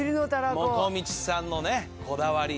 もこみちさんのこだわり。